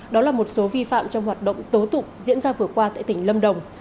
đó là một số vi phạm trong hoạt động tố tụng diễn ra vừa qua tại tỉnh lâm đồng